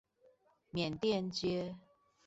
緬甸街